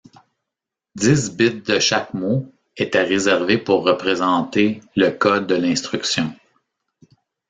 Dix bits de chaque mot étaient réservés pour représenter le code de l'instruction.